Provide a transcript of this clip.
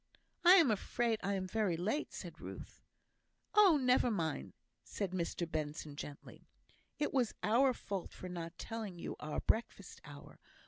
"I am afraid I am very late," said Ruth. "Oh, never mind," said Mr Benson, gently. "It was our fault for not telling you our breakfast hour.